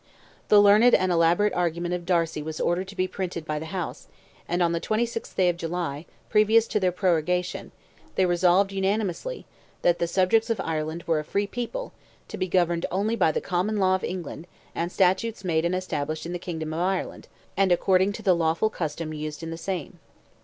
The learned and elaborate argument of Darcy was ordered to be printed by the House; and on the 26th day of July, previous to their prorogation, they resolved unanimously, that the subjects of Ireland "were a free people, to be governed only by the common law of England, and statutes made and established in the kingdom of Ireland, and according to the lawful custom used in the same."